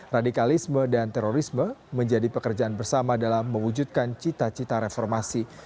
radikalisme dan terorisme menjadi pekerjaan bersama dalam mewujudkan cita cita reformasi